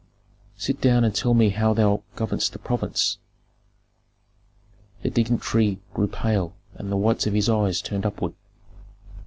"Sit down and tell me how thou governest the province." The dignitary grew pale, and the whites of his eyes turned upward.